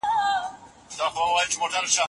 دوی په ګډه د باطل مقابله کړې ده.